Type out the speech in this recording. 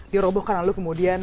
dirobohkan lalu kemudian